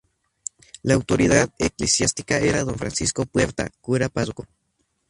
La autoridad eclesiástica era Don Francisco Puerta, cura párroco.